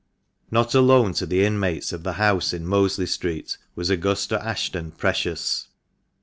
Not alone to the inmates of the house in Mosley Street was Augusta Ashton precious.